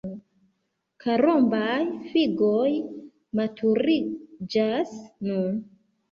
Karombaj figoj maturiĝas nun.